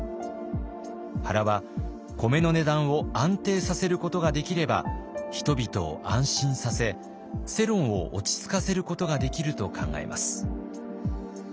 原は米の値段を安定させることができれば人々を安心させ世論を落ち着かせることができると考えます。